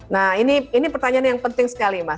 nah ini pertanyaan yang penting sekali mas